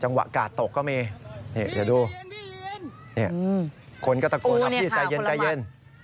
จังหวะกาดตกก็มีนี่เดี๋ยวดูนี่คนก็ตะโกนครับพี่ใจเย็นใจเย็น